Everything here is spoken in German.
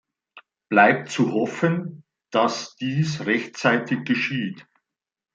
Bleibt zu hoffen, dass dies rechtzeitig geschieht.